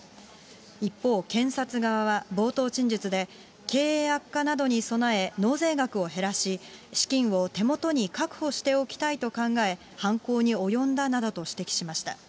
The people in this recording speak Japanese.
一方、検察側は冒頭陳述で、経営悪化などに備え、納税額を減らし、資金を手元に確保しておきたいと考え、犯行に及んだなどと指摘しました。